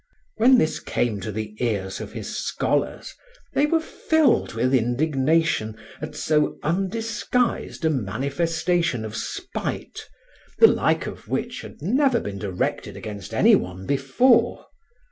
When this came to the ears of his scholars, they were filled with indignation at so undisguised a manifestation of spite, the like of which had never been directed against any one before.